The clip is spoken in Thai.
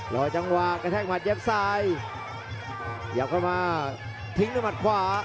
รอจังหวะกระแทกหัดเย็บซ้ายหยับเข้ามาทิ้งด้วยมัดขวา